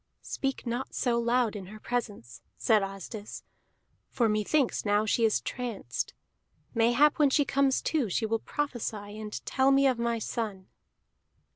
"Speak not so loud in her presence," said Asdis, "for methinks now she is tranced. Mayhap when she comes to she will prophesy and tell me of my son."